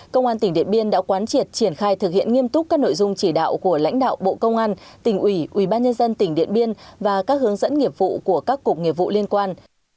công an tỉnh điện biên đã quán triệt triển khai thực hiện nghiêm túc các nội dung chỉ đạo của lãnh đạo bộ công an tỉnh ủy ubnd tỉnh điện biên và các hướng dẫn nghiệp vụ của các cục nghiệp vụ liên quan